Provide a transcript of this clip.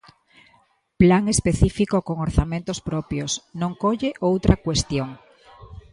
Plan específico con orzamentos propios; non colle outra cuestión.